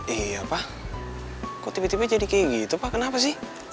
iya pak kok tiba tiba jadi kayak gitu pak kenapa sih